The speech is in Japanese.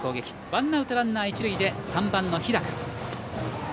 ワンアウトランナー、一塁で３番の日高。